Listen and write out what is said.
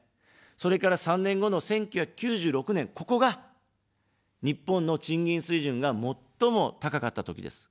それから３年後の１９９６年、ここが、日本の賃金水準が最も高かったときです。